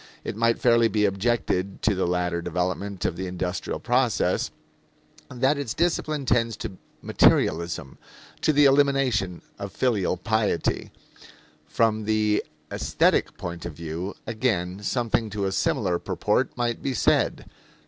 It might fairly be objected to the later development of the industrial process that its discipline tends to "materialism," to the elimination of filial piety. From the aesthetic point of view, again, something to a similar purport might be said.